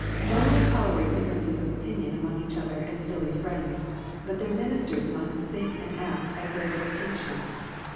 Men will tolerate differences of opinion among each other and still be friends, but their ministers must think and act at their dictation.